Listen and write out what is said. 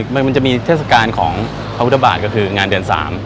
มันจะมีเทศกาลของพระพุทธบาทก็คืองานเดือน๓